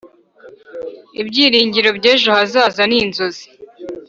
ibyiringiro by'ejo hazaza n'inzozi